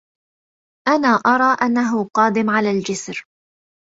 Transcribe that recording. أنا أرى أنه قادم على الجسر